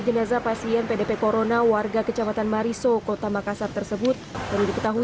jenazah pasien pdp corona warga kecamatan mariso kota makassar tersebut baru diketahui